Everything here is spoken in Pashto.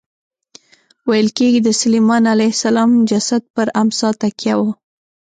ویل کېږي د سلیمان علیه السلام جسد پر امسا تکیه و.